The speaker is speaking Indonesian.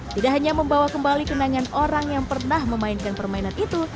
tidak hanya membawa kembali kenangan orang yang pernah memainkan permainan itu